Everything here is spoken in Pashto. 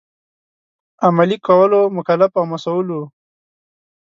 عملي کولو مکلف او مسوول وو.